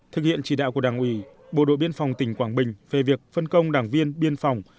thực hiện chỉ đạo của đảng ủy bộ đội biên phòng tỉnh quảng bình về việc phân công đảng viên biên phòng